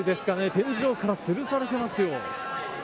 天井からつるされていますよ。